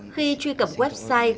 khi truy cập website